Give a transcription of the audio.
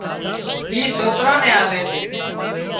اِي سوڪران نين آلي سي